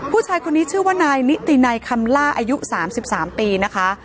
ผู้ชายคนนี้ชื่อว่านายนิตินัยคำล่าอายุ๓๓ปีนะคะ